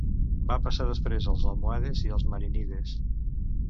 Va passar després als almohades i als marínides.